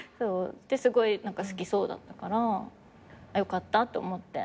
すごい好きそうだったからよかったって思って。